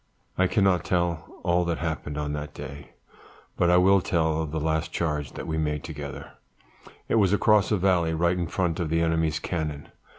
"I cannot tell all that happened on that day, but I will tell of the last charge that we made together; it was across a valley right in front of the enemy's cannon.